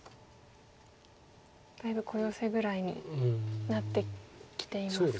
だいぶ小ヨセぐらいになってきていますか。